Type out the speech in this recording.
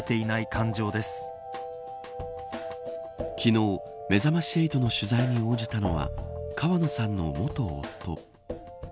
昨日、めざまし８の取材に応じたのは川野さんの元夫。